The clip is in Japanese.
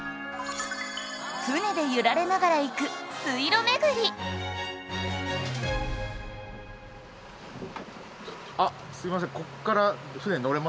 舟で揺られながら行くあっすいません。